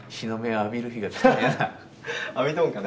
浴びとんかな？